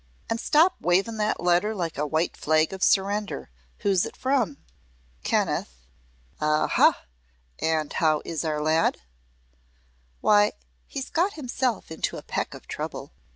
"An' stop wavin' that letter like a white flag of surrender. Who's it from?" "Kenneth." "Aha! An' how is our lad?" "Why, he's got himself into a peck of trouble.